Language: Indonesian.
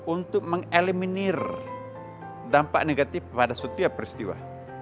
untuk mengeliminir dampak negatif pada setiap peristiwa